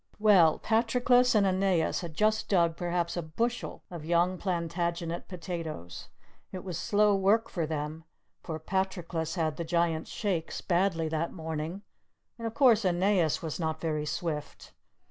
Well, Patroclus and Aeneas had just dug perhaps a bushel of Young Plantagenet potatoes. It was slow work with them, for Patroclus had the Giant's Shakes badly that morning, and of course Aeneas was not very swift.